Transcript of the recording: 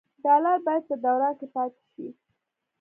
ډالر باید په دوران کې پاتې شي.